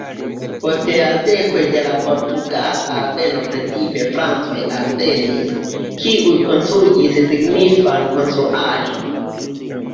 Post jardekoj de la portugala alveno precipe francoj alvenis, kiuj konstruis signifan konstruaĵon.